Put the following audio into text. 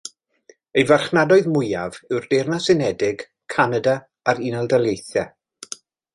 Ei farchnadoedd mwyaf yw'r Deyrnas Unedig, Canada a'r Unol Daleithiau.